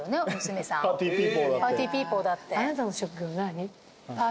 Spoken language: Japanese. パーティーピーポーだって。